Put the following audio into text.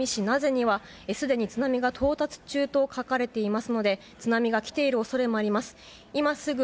名瀬にはすでに津波が到達中と書かれていますので津波が来ている恐れもあります。